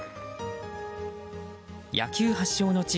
野球発祥の地